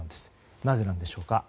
なぜでしょうか。